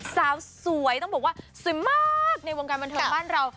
สาวสวยต้องบอกว่าสวยมากในวงการบันเทิงบ้านเรา